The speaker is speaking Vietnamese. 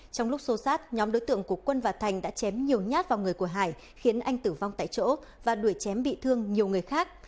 trong lúc xô sát nhóm đối tượng của quân và thành đã chém nhiều nhát vào người của hải khiến anh tử vong tại chỗ và đuổi chém bị thương nhiều người khác